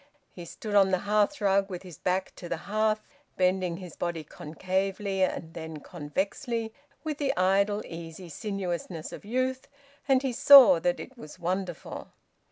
He stood on the hearthrug, with his back to the hearth, bending his body concavely and then convexly with the idle easy sinuousness of youth, and he saw that it was wonderful.